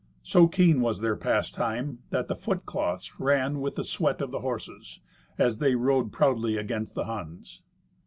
So keen was their pastime that the foot cloths ran with the sweat of the horses, as they rode proudly against the Huns.